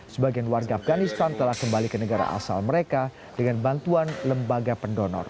sebagian warga afganistan telah kembali ke negara asal mereka dengan bantuan lembaga pendonor